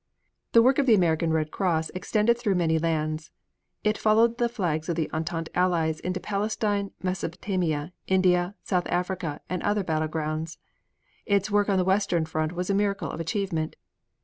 The work of the American Red Cross extended through many lands. It followed the flags of the Entente Allies into Palestine, Mesopotamia, India, South Africa, and other battle grounds. Its work on the western front was a miracle of achievement.